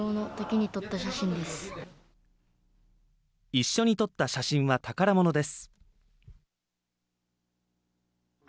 一緒に撮った写真は宝物です。